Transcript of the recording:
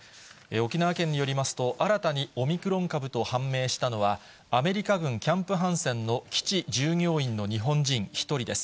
沖縄県によりますと、新たにオミクロン株と判明したのは、アメリカ軍キャンプ・ハンセンの基地従業員の日本人１人です。